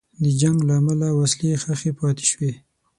د جنګ له امله وسلې ښخي پاتې شوې.